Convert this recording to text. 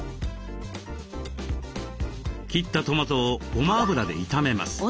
切ったトマトをごま油で炒めます。